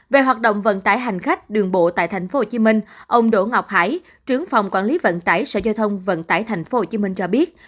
về hoạt động vận tải hành khách đường bộ tại tp hcm ông đỗ ngọc hải trưởng phòng quản lý vận tải sở giao thông vận tải tp hcm cho biết